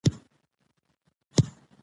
میندې خپلو ماشومانو ته خواړه ورکوي.